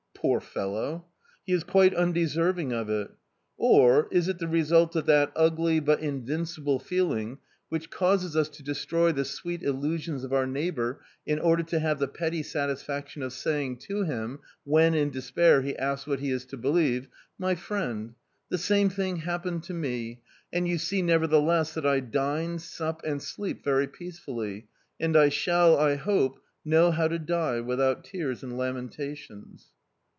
Poor fellow! He is quite undeserving of it. Or, is it the result of that ugly, but invincible, feeling which causes us to destroy the sweet illusions of our neighbour in order to have the petty satisfaction of saying to him, when, in despair, he asks what he is to believe: "My friend, the same thing happened to me, and you see, nevertheless, that I dine, sup, and sleep very peacefully, and I shall, I hope, know how to die without tears and lamentations."